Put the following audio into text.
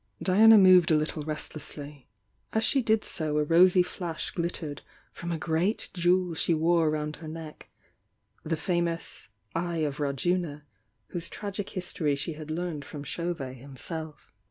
Diana moved a little restlessly. As she did so a .■osy flash glittered from a great jewel she wore round her neck,— the famous "Eye of Rajuna," whose tragic history she had heard from Chauvet himself.